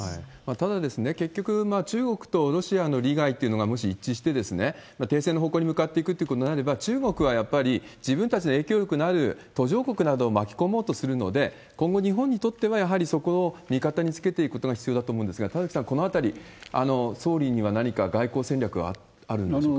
ただ、結局、中国とロシアの利害っていうのがもし一致して、停戦の方向に向かっていくということになれば、中国はやっぱり、自分たちの影響力のある途上国などを巻き込もうとするので、今後、日本にとっては、やっぱりそこを味方につけていくことが必要だと思うんですが、田崎さん、このあたり、総理には何か外交戦略はあるんでしょうか？